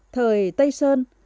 thời tây sơn